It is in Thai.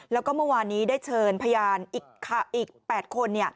แล้วก็เมื่อวานนี้ได้เชิญพยานอีก๘คน